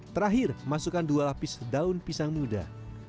terakhir masukkan dua lapis daun pisang muda